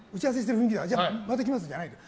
じゃあまた来ますじゃないの。